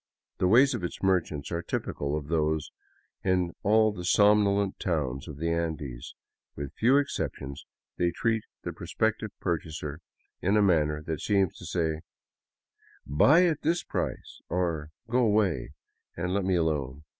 The ways of its merchants are typical of those in all the somnolent towns of the Andes. With few exceptions they treat the prospective purchaser in a manner that seems to say, " Buy at this price, or go away and let me alone.